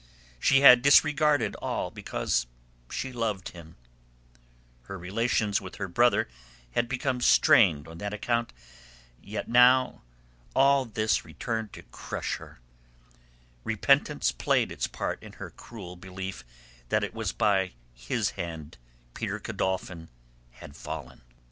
She had disregarded all because she loved him; her relations with her brother had become strained on that account, yet now, all this returned to crush her; repentance played its part in her cruel belief that it was by his hand Peter Godolphin had fallen.